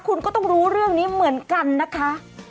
คุณก็ต้องรู้เรื่องนี้เหมือนกันนะคะ